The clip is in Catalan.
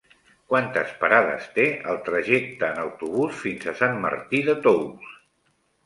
Quantes parades té el trajecte en autobús fins a Sant Martí de Tous?